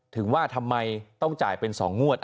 ถึงว่าทำไมต้องจ่ายเป็น๒งวด